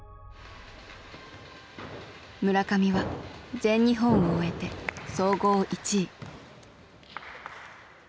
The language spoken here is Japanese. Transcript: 村上は全日本を終えて総合１位。